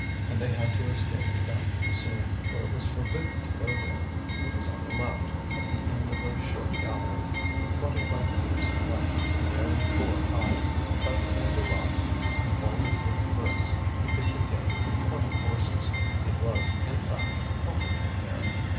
And they had to escape without being seen, for it was forbidden to go there. It was on the left, at the end of a short gallery. Twenty five metres in length and nearly four high, cut in the rock and vaulted with bricks, it could contain twenty horses. It was, in fact, comfortable there.